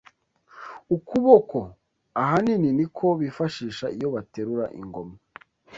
Ukuboko :ahanini niko bifashisha iyo baterura ingoma